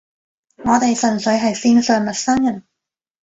我哋純粹係線上陌生人